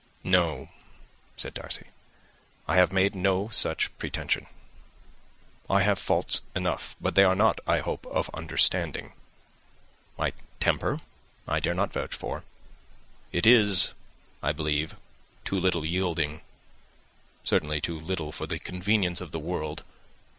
"No," said Darcy, "I have made no such pretension. I have faults enough, but they are not, I hope, of understanding. My temper I dare not vouch for. It is, I believe, too little yielding; certainly too little for the convenience of the world.